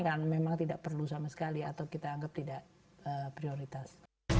karena memang tidak perlu sama sekali atau kita anggap tidak prioritas